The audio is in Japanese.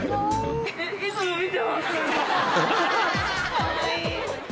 かわいい。